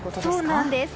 そうなんです。